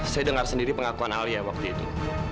saya dengar sendiri pengakuan alia waktu itu